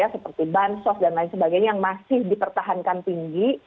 seperti bansos dan lain sebagainya yang masih dipertahankan tinggi